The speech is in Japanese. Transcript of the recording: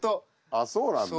あっそうなんだ。